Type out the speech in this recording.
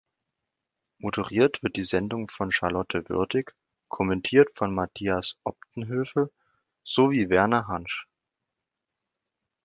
Moderiert wird die Sendung von Charlotte Würdig, kommentiert von Matthias Opdenhövel sowie Werner Hansch.